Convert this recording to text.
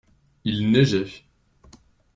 Il neigeait.